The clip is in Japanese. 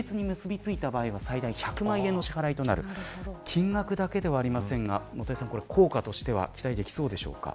金額だけではありませんが効果としては期待できそうでしょうか。